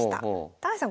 高橋さん